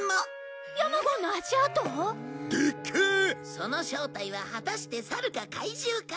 その正体は果たしてサルか怪獣か。